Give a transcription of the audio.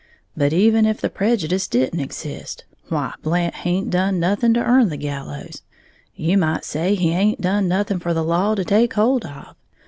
But even if the prejudyce didn't exist, why Blant haint done nothing to earn the gallows, you might say he haint done anything for the law to take hold of.